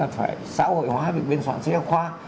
phải xã hội hóa được biên soạn sách giáo khoa